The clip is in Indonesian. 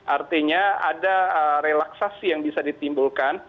artinya ada relaksasi yang bisa ditimbulkan